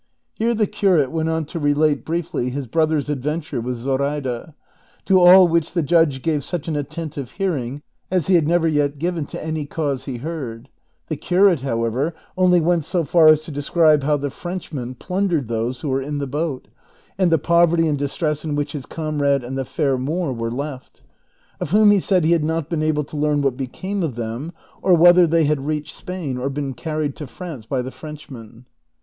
Here the curate went on to relate briefly his brother's advent ure with Zoraida ; to all which the judge gave such an attentive hearing as he had never yet given to any cause he heard. ^ The curate, however, only went so far as to describe how the French men plundered those who were in the boat, and the poverty and distress in which his comrade and the fair Moor were left ; of whom he said he had not been able to learn what became of them, or whether they had reached Spain, or been carried to France by the Frenchmen.